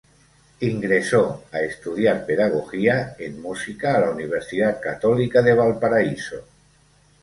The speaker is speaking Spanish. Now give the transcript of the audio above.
Ingresó a estudiar pedagogía en música a la Universidad Católica de Valparaíso.